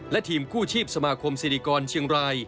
และทีมกู้ชีพสมาคมศิริกรเชียงราย